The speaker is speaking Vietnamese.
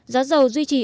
giá dầu duy trì